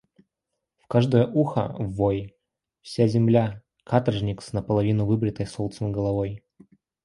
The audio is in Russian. В каждое ухо ввой: вся земля — каторжник с наполовину выбритой солнцем головой!